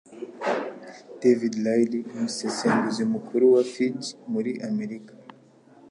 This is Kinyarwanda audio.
David Riley, umusesenguzi mukuru wa Fitch muri Amerika,